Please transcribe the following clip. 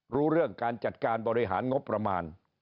รู้เรื่องการจัดการบริหารงบประมาณ